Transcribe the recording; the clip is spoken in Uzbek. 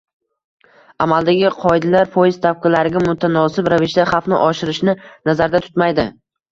Amaldagi qoidalar foiz stavkalariga mutanosib ravishda xavfni oshirishni nazarda tutmaydi